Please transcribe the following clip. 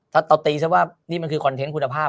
ถ้าเราตีซะว่านี่มันคือคอนเทนต์คุณภาพ